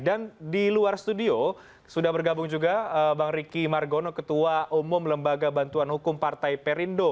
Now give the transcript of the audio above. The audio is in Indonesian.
dan di luar studio sudah bergabung juga bang riki margono ketua umum lembaga bantuan hukum partai perindo